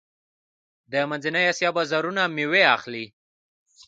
د منځنۍ اسیا بازارونه میوې اخلي.